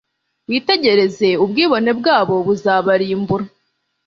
Witegereze ubwibone bwabo buzabarimbura